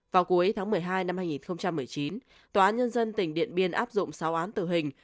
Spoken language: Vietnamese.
vào cuối tháng một mươi hai năm hai nghìn một mươi chín tòa án nhân dân tỉnh điện biên áp dụng sáu án tử hình